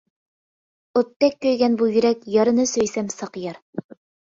ئوتتەك كۆيگەن بۇ يۈرەك، يارنى سۆيسەم ساقىيار.